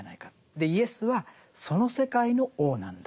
でイエスはその世界の王なんだと。